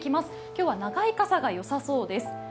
今日は長い傘がよさそうです。